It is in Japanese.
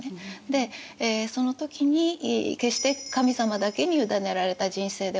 でその時に決して神様だけに委ねられた人生ではないだろう。